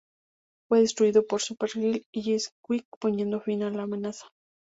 Fue destruido por Supergirl y Jesse Quick, poniendo fin a la amenaza.